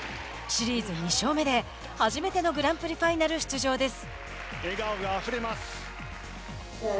シリーズ２勝目初めてのグランプリファイナル出場です。